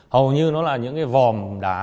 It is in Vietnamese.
hầu như nó là những cái vòm đá